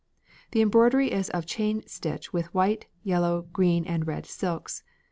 The embroidery is of chain stitch with white, yellow, green, and red silks.